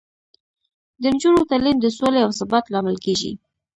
د نجونو تعلیم د سولې او ثبات لامل کیږي.